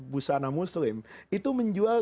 busana muslim itu menjual